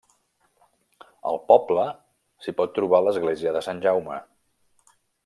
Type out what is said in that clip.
Al poble s'hi pot trobar l'església de Sant Jaume.